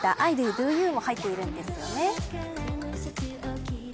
Ｄｏｙｏｕ？も入っているんですよね。